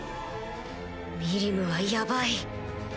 ミリムはヤバい！